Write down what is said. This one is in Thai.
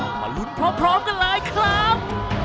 มาลุ้นพร้อมกันเลยครับ